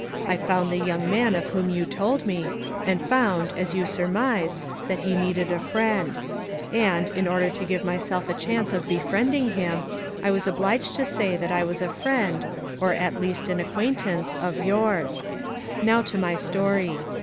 I found the young man of whom you told me, and found, as you surmised, that he needed a friend; and, in order to give myself a chance of befriending him, I was obliged to say that I was a friend, or at least an acquaintance, of yours. Now to my story.